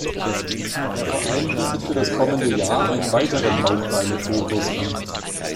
Der Verein bietet für das kommende Jahr einen weiteren Bauch-Beine-Po-Kurs an.